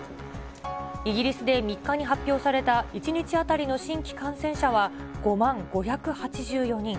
イギリスで３日に発表された１日当たりの新規感染者は５万５８４人。